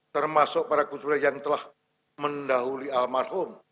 termasuk para kusul yang telah mendahuli almarhum